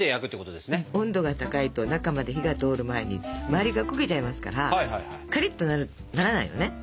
温度が高いと中まで火が通る前に周りが焦げちゃいますからカリッとならないのね。